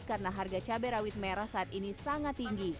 karena harga cabai rawit merah saat ini sangat tinggi